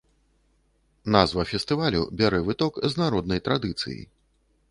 Назва фестывалю бярэ выток з народнай традыцыі.